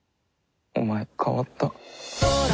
お前変わった。